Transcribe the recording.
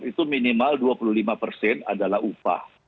itu minimal dua puluh lima persen adalah upah